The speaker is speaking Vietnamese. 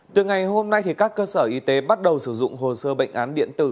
từ ngày hôm nay các cơ sở y tế bắt đầu sử dụng hồ sơ bệnh án điện tử